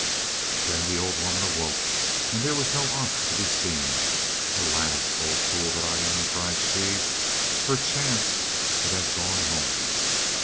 Then the old woman awoke, and there was no ox to be seen. "Alas! old fool that I am!" cried she, "perchance it has gone home."